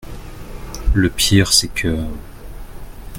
Le pire c’est que…